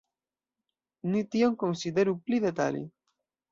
Ni tion konsideru pli detale.